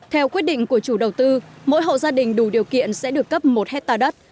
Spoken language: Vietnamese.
theo quyết định của chủ đầu tư mỗi hộ gia đình đủ điều kiện sẽ được cấp một hectare đất